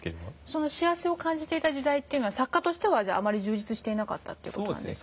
幸せを感じていた時代というのは作家としてはあまり充実していなかったという事ですか？